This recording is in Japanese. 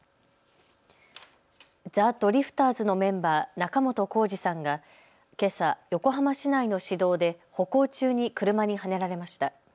ザ・ドリフターズのメンバー、仲本工事さんがけさ横浜市内の市道で歩行中に車にはねられました。